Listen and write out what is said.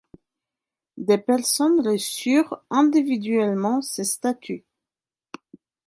Des personnes reçurent individuellement ce statut.